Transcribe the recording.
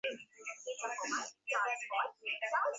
দুই চোয়ালের তোবড়ানো দাগগুলো যেন হঠাৎ অদৃশ্য হয়ে গেল।